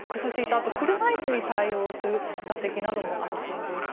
あと車椅子に対応する座席もあるそうです。